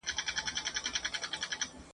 یو له بله یې په وینو وه لړلي !.